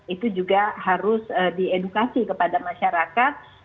itu juga harus diedukasi kepada masyarakat